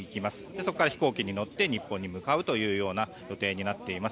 そこから飛行機に乗って日本に向かうというような予定になっています。